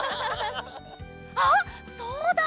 あっそうだ！